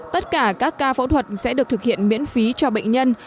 tất cả các ca phẫu thuật sẽ được thực hiện miễn phí cho bệnh nhân